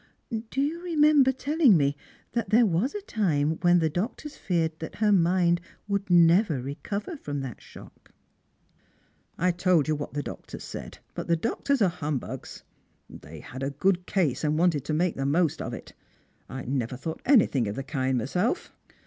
" Do you remember telling me that there was a time when the doctors feared that her mind would never recover from that shock?" " I told you what the doctors said ; but the doctors are hum bugs. They had a good case, and wanted to make the most of it. I never thought anything of the kind myself.